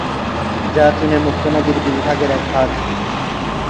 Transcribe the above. যা চীনের মুক্তো নদীর বিশ ভাগের এক ভাগ।